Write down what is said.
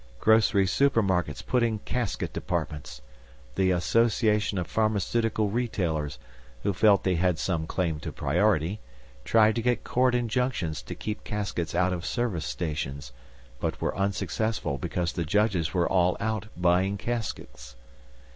Grocery supermarkets put in casket departments. The Association of Pharmaceutical Retailers, who felt they had some claim to priority, tried to get court injunctions to keep caskets out of service stations, but were unsuccessful because the judges were all out buying caskets.